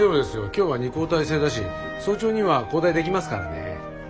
今日は二交代制だし早朝には交代できますからね。